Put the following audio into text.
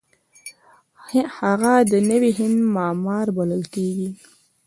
هغه د نوي هند معمار بلل کیږي.